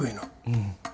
うん。